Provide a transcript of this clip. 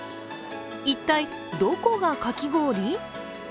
一体、どこがかき氷？